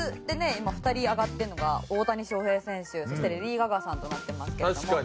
今２人挙がってるのが大谷翔平選手そしてレディー・ガガさんとなってますけれども。